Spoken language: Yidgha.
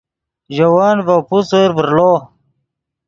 ژے ون ڤے پوسر ڤرڑو